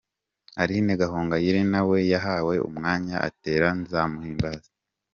Aline Gahongayire na we yahawe umwanya atera 'Nzamuhimbaza'.